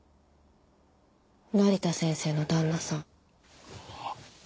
成田先生の旦那さん。